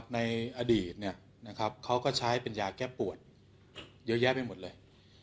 ในอดีตเขาก็ใช้เป็นยาแก้ปวดเยอะแยะไปหมดเลย